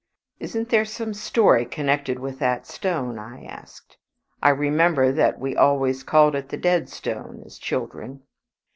"Isn't there some story connected with that stone?" I asked. "I remember that we always called it the Dead Stone as children."